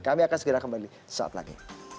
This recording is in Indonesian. kami akan segera kembali saat lagi